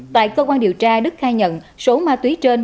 tại cơ quan điều tra đức khai nhận số ma túy trên